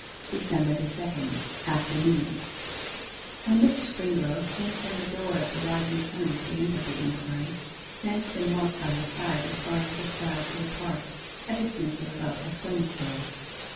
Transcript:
DECEMBER THE SECOND. AFTERNOON When Mr. Springrove came from the door of the Rising Sun at the end of the inquiry, Manston walked by his side as far as the stile to the park, a distance of about a stone's throw.